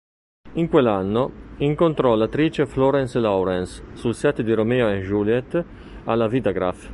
In quell'anno, incontrò l'attrice Florence Lawrence sul set di "Romeo and Juliet" alla Vitagraph.